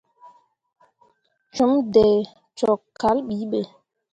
Cum dai cok kal bi be.